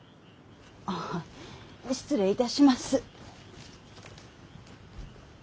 ああ失礼いたします。